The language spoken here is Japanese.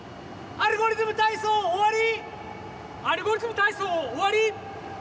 「アルゴリズムたいそう」おわり！